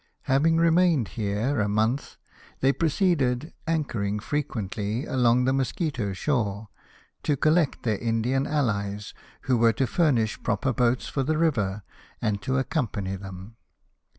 Having remained here a month, they proceeded, anchoring frequently, along the Mosquito shore, to collect their Indian alhes, who were to furnish proper boats for the river, and to accompany them.